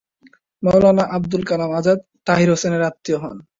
মাওলানা আবুল কালাম আজাদ তাহির হোসেনের আত্মীয় হন।